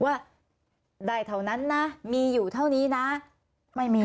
ว่าได้เท่านั้นนะมีอยู่เท่านี้นะไม่มี